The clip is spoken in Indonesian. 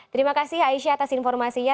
terima kasih aisyah atas informasinya